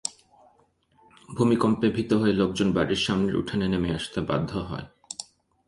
ভূমিকম্পে ভিত হয়ে লোকজন বাড়ির সামনের উঠানে নেমে আসতে বাধ্য হয়।